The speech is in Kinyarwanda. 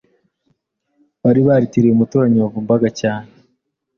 bari baritiriye umuturanyi wavumbaga cyane.